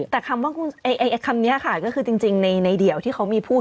แต่คำว่าคำนี้ค่ะก็คือจริงในเดี่ยวที่เขามีพูด